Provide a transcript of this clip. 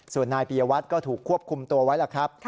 ส่วนนายปียวัตรก็ถูกควบคุมตัวไว้แล้วครับ